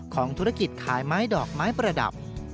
ของธุรกิจขายไม้ดอกไม้ประดับ